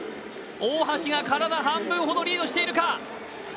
大橋が体半分ほどリードしているか。